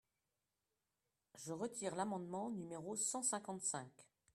Je retire l’amendement numéro cent cinquante-cinq.